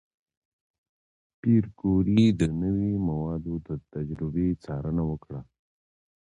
پېیر کوري د نوې موادو د تجربې څارنه وکړه.